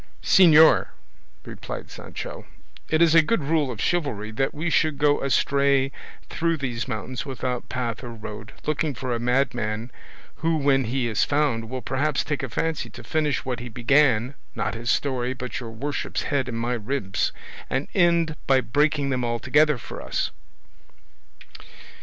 "Señor," replied Sancho, "is it a good rule of chivalry that we should go astray through these mountains without path or road, looking for a madman who when he is found will perhaps take a fancy to finish what he began, not his story, but your worship's head and my ribs, and end by breaking them altogether for us?"